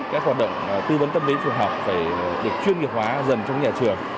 các hoạt động tư vấn tâm lý trường học phải được chuyên nghiệp hóa dần trong nhà trường